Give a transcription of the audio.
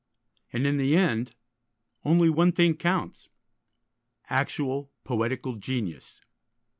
And in the end only one thing counts: actual poetical genius.